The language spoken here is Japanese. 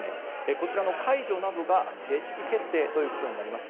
こちらの解除などが正式決定ということになります。